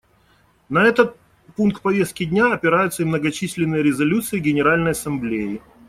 На этот пункт повестки дня опираются и многочисленные резолюции Генеральной Ассамблеи.